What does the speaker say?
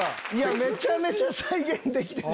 めちゃめちゃ再現できてた。